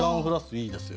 いいですよ。